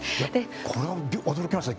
これは驚きましたね。